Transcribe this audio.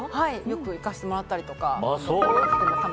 よく行かせてもらったりとか。